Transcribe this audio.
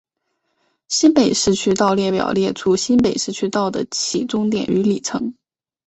新北市区道列表列出新北市区道的起终点与里程。